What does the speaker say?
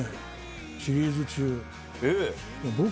シリーズ中。